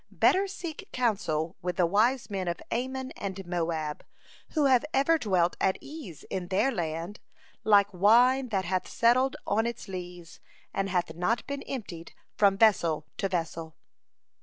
Better seek counsel with the wise men of Ammon and Moab, who have ever dwelt at ease in their land, like wine that hath settled on its lees, and hath not been emptied from vessel to vessel.